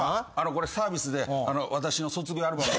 これサービスで私の卒業アルバム。